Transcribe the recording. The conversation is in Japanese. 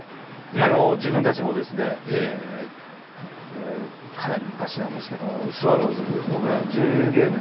自分たちもかなり昔なんですけどスワローズ、１０ゲーム１１